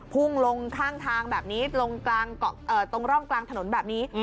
พุ่งลงข้างทางแบบนี้ลงตรงร่องกลางถนนแบบนี้